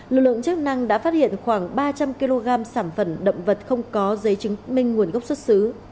lực lượng chức năng đã phát hiện khoảng ba trăm linh kg sản phẩm động vật không có giấy chứng minh nguồn gốc xuất xứ